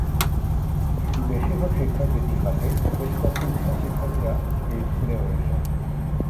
বেশিরভাগ শিক্ষার্থী দ্বিভাষিক, বেশ কয়েকটি ভাষার শিক্ষার্থীরা এই স্কুলে রয়েছে।